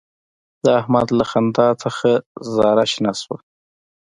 د احمد له خندا نه زاره شنه شوله.